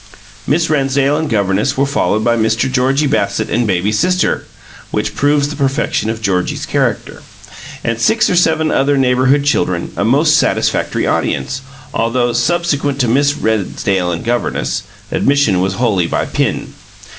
Miss Rennsdale and governess were followed by Mr. Georgie Bassett and baby sister (which proves the perfection of Georgie's character) and six or seven other neighbourhood children a most satisfactory audience, although, subsequent to Miss Rennsdale and governess, admission was wholly by pin.